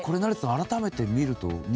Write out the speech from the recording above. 改めて見ると。